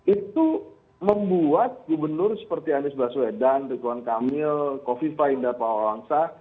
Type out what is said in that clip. itu membuat gubernur seperti anies baswedan tukang kamil kofi fahim dan pak wawangsa